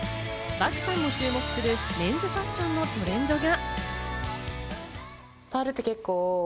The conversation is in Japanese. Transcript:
漠さんも注目するメンズファッションのトレンドが。